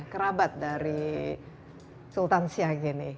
kerabat dari sultan siak ini